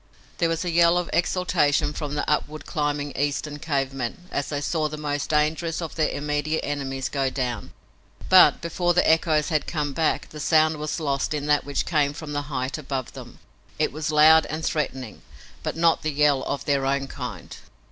There was a yell of exultation from the upward climbing Eastern cave men as they saw the most dangerous of their immediate enemies go down, but, before the echoes had come back, the sound was lost in that which came from the height above them. It was loud and threatening, but not the yell of their own kind.